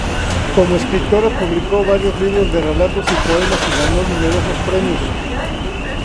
Como escritora, publicó varios libros de relatos y poemas y ganó numerosos premios.